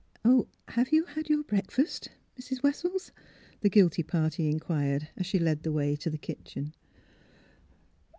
*' Have you had your breakfast, Mrs. Wes sels? " the guilty party inquired, as she led the way to the kitchen.